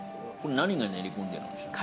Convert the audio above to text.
何が練り込んであるんですか？